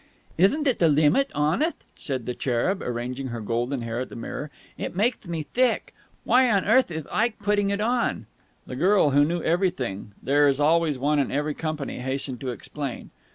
"Ithn't it the limit, honetht!" said the cherub, arranging her golden hair at the mirror. "It maketh me thick! Why on earth ith Ike putting it on?" The girl who knew everything there is always one in every company hastened to explain.